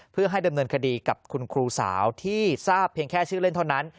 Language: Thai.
เพื่อให้ดำเนินคดีกับคุณครูสาวที่ทราบเพียงแค่ชื่อเล่นเท่านั้น